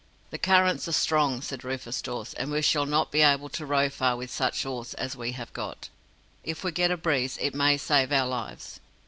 "The currents are strong," said Rufus Dawes, "and we shall not be able to row far with such oars as we have got. If we get a breeze it may save our lives."